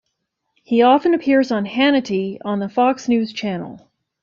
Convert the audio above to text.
He often appears on "Hannity" on the Fox News Channel.